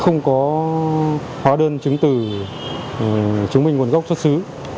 không có hóa đơn chứng từ chứng minh nguồn gốc xuất xứ